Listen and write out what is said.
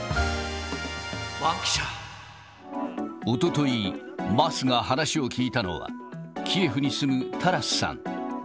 おととい、桝が話を聞いたのは、キエフに住むタラスさん。